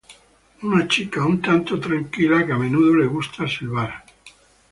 Una chica un tanto tranquila que a menudo le gusta a silbar.